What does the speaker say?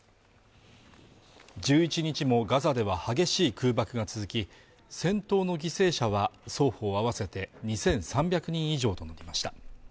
１１日もガザでは激しい空爆が続き戦闘の犠牲者は双方合わせて２３００人以上となりました